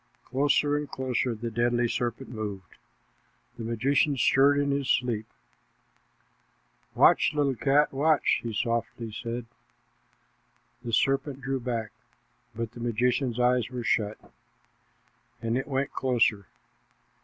Closer and closer the deadly serpent moved. The magician stirred in his sleep. "Watch, little cat, watch!" he said softly. The serpent drew back, but the magician's eyes were shut, and it went closer.